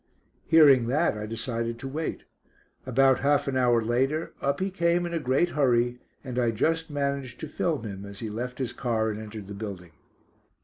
Hearing that I decided to wait. About half an hour later, up he came in a great hurry, and I just managed to film him as he left his car and entered the building.